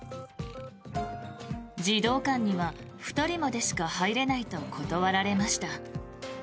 児童館には２人までしか入れないと断られました。